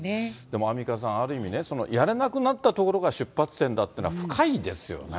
でも、アンミカさん、ある意味ね、やれなくなったところが出発点だってのは深いですよね。